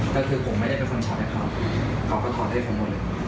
ก็คือผมไม่ได้เป็นคนช็อตให้เขาเขาก็ถอดให้ผมหมดเลย